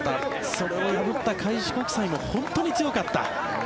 それを破った開志国際も本当に強かった。